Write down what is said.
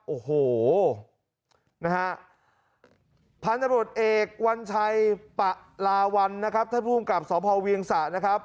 โอ้โหนะฮะพันธบรวจเอกวัญชัยปะลาวัลนะครับท่านภูมิกับสพเวียงสะนะครับ